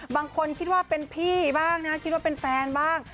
บางคนคิดว่าเป็นพี่บ้างนะคิดว่าเป็นแฟนบ้าง